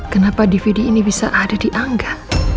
kenapa dvd ini bisa ada di angga